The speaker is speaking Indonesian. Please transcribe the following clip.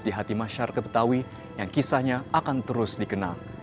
di hati masyarakat betawi yang kisahnya akan terus dikenal